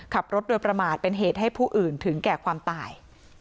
ขับรถโดยประมาทเป็นเหตุให้ผู้อื่นถึงแก่ความตาย